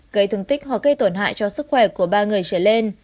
gây thương tích hoặc gây tổn hại cho sức khỏe của ba người trở lên